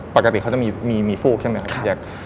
ปกติเขาจะมีฟูกใช่ไหมครับ